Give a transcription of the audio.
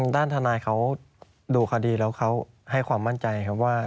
ด้านทนายเขาดูคดีแล้วเขาให้ความมั่นใจครับว่า